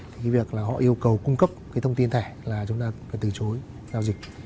thì cái việc là họ yêu cầu cung cấp cái thông tin thẻ là chúng ta phải từ chối giao dịch